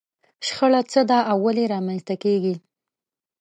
شخړه څه ده او ولې رامنځته کېږي؟